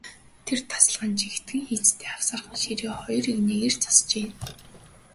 Тэр тасалгаанд жигдхэн хийцтэй авсаархан ширээ хоёр эгнээгээр засжээ.